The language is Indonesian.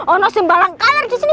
ada sembalang kalar di sini